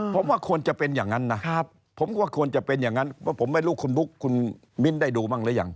ผมว่าควรจะเป็นอย่างนั้นนะผมก็ควรจะเป็นอย่างนั้นเพราะผมไม่รู้คุณบุ๊คคุณมิ้นได้ดูบ้างหรือยัง